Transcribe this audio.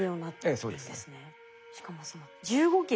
ええそうですね。